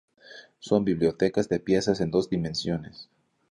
Son bibliotecas de piezas en dos dimensiones.